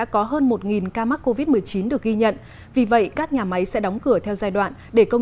có hơn một ca mắc covid một mươi chín được ghi nhận vì vậy các nhà máy sẽ đóng cửa theo giai đoạn để công